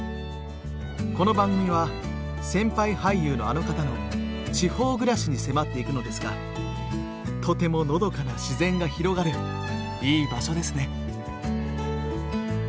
この番組は先輩俳優のあの方の地方暮らしに迫っていくのですがとてものどかな自然が広がるいい場所ですね。